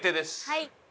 はい。